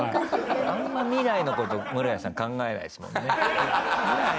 あまり未来の事ムロヤさん考えないですもんね？